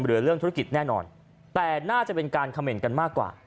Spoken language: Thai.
เหลือเรื่องธุรกิจแน่นอนแต่น่าจะเป็นการเขม่นกันมากกว่า